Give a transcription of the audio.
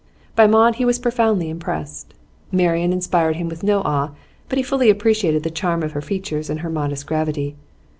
By Maud he was profoundly impressed. Marian inspired him with no awe, but he fully appreciated the charm of her features and her modest gravity.